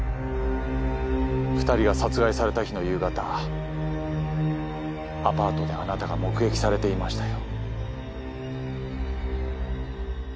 ２人が殺害された日の夕方アパートであなたが目撃されていましたよ。